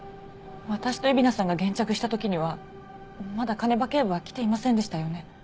私と蝦名さんが現着した時にはまだ鐘場警部は来ていませんでしたよね？